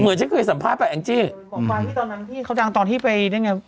เหมือนฉันเคยสัมภาพแหล่งจิหมอปลายที่ตอนนั้นที่เขาจังตอนที่ไปนี่ไง